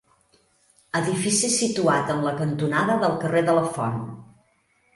Edifici situat en la cantonada del carrer de la Font.